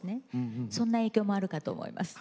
そんな影響もあるかと思います。